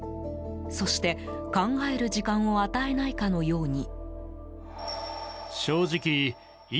そして、考える時間を与えないかのように。